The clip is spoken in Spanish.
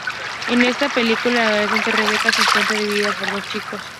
En esta película una adolescente, Rebecca, se encuentra dividida por dos chicos.